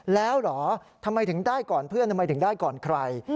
แล้วเหรอทำไมถึงได้ก่อนเพื่อนทำไมถึงได้ก่อนใคร